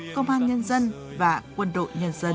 công an nhân dân và quân đội nhân dân